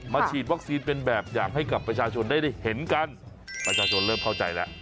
ฉีดวัคซีนเป็นแบบอย่างให้กับประชาชนได้เห็นกันประชาชนเริ่มเข้าใจแล้ว